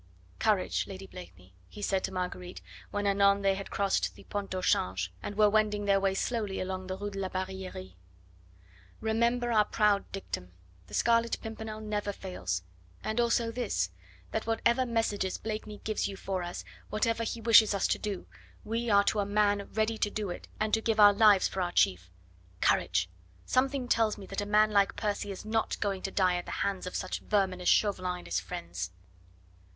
"Courage, Lady Blakeney," he said to Marguerite, when anon they had crossed the Pont au Change, and were wending their way slowly along the Rue de la Barillerie; "remember our proud dictum: the Scarlet Pimpernel never fails! and also this, that whatever messages Blakeney gives you for us, whatever he wishes us to do, we are to a man ready to do it, and to give our lives for our chief. Courage! Something tells me that a man like Percy is not going to die at the hands of such vermin as Chauvelin and his friends."